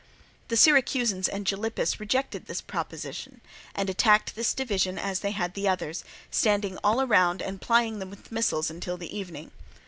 The Syracusans and Gylippus rejected this proposition, and attacked this division as they had the other, standing all round and plying them with missiles until the evening.